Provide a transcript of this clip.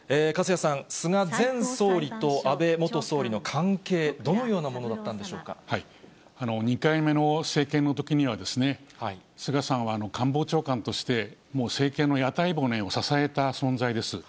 粕谷さん、菅前総理と安倍元総理の関係、どのようなものだったん２回目の政権のときには、菅さんは官房長官としてもう政権の屋台骨を支えた存在です。